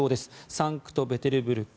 サンクトペテルブルク